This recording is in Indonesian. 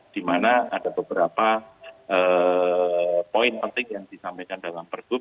dimana ada beberapa poin penting yang disampaikan dalam pergub